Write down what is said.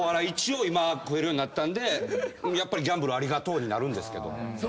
一応今食えるようになったんでやっぱりギャンブルありがとうになるんですけども。